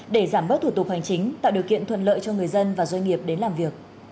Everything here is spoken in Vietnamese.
để giảm bớt thủ tục hoàn chính tạo điều kiện thuận lợi cho người dân và doanh nghiệp